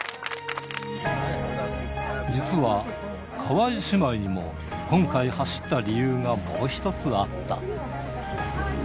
実は、川井姉妹も今回、走った理由がもう一つあった。